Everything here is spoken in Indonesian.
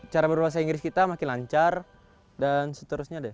cara berbahasa inggris kita makin lancar dan seterusnya deh